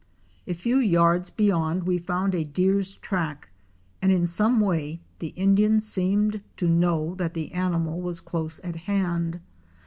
A few yards beyond we found a deer's track and in some way the Indian seemed to know that the animal was close at hand.